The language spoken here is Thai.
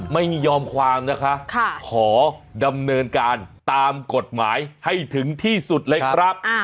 ไม่ยอมความนะคะขอดำเนินการตามกฎหมายให้ถึงที่สุดเลยครับ